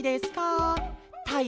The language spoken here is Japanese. たい